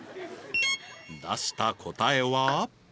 出した答えは？